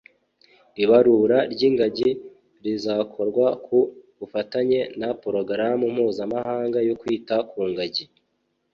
Ibarura ry’ingagi rizakorwa ku bufatanye na Porogaramu mpuzamahanga yo kwita ku ngagi